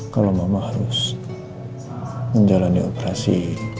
kalau mama harus menjalani operasi